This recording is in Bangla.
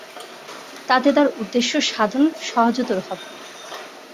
তাতে তার উদ্দেশ্য সাধন সহজতর হবে।